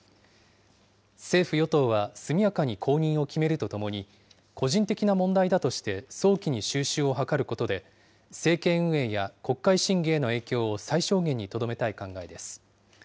政府・与党は速やかに後任を決めるとともに、個人的な問題だとして早期に収拾を図ることで、政権運営や国会審議への影響を最小限にとどめたい考えです。